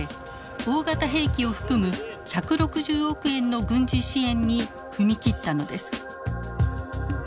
大型兵器を含む１６０億円の軍事支援に踏み切ったのです。